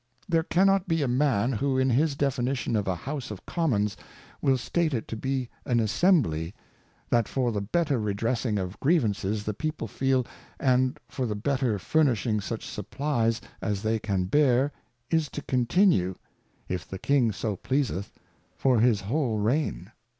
There cannot be a Man, who in his Definition of a House of Commons, will state it to be an Assembly, that for the better redressing of Grievances the People feel, and for the better furnishing such Supplies as they can bear, is to continue, if the King so pleaseth, for his whole Reign.